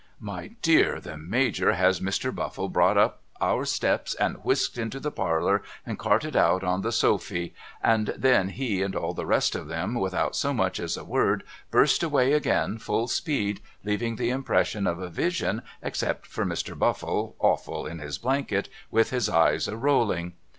My dear the Major has Mr. Buflle brought up our steps and whisked into the parlour and carted out on the sofy, and then he and all the rest of them without so much as a word burst away again full speed, leaving the impression of a vision except for Mr. Buffle awful in his blanket with his eyes a rolling.